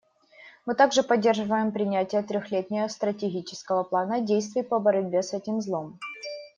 Мы также поддерживаем принятие трехлетнего стратегического плана действий по борьбе с этим злом.